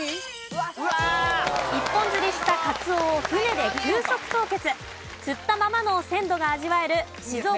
一本釣りしたカツオを船で急速凍結。